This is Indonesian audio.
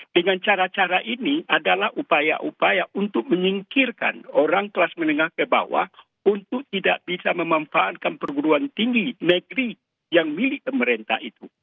dengan cara cara ini adalah upaya upaya untuk menyingkirkan orang kelas menengah ke bawah untuk tidak bisa memanfaatkan perguruan tinggi negeri yang milik pemerintah itu